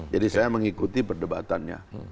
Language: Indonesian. jadi saya mengikuti perdebatannya